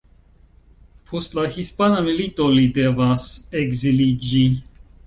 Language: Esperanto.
Post la hispana milito, li devas ekziliĝi.